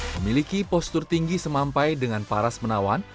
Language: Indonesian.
memiliki postur tinggi semampai dengan paras menawan